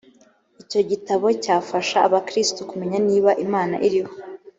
icyo gitabo cyafasha abakristo kumenya niba imana iriho